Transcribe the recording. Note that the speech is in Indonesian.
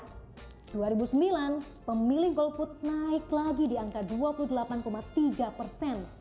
pada dua ribu sembilan pemilih golput naik lagi di angka dua puluh delapan tiga persen